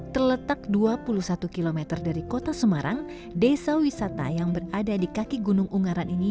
terletak dua puluh satu km dari kota semarang desa wisata yang berada di kaki gunung ungaran ini